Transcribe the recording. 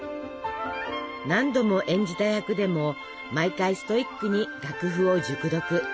何度も演じた役でも毎回ストイックに楽譜を熟読。